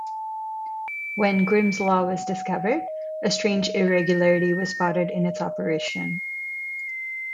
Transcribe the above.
When Grimm's law was discovered, a strange irregularity was spotted in its operation.